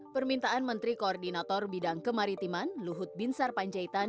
permintaan menteri koordinator bidang kemaritiman luhut bin sarpanjaitan